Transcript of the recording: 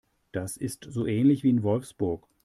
Das ist so ähnlich wie in Wolfsburg